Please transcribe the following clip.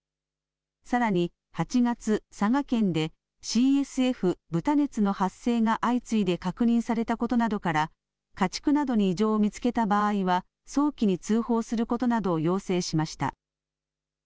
さらに８月佐賀県でＣＳＦ、豚熱の発生が相次いで確認されたことなどから家畜などに異常を見つけた場合は早期に通報することなどを要請しました。